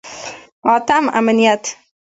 اتم: امنیت.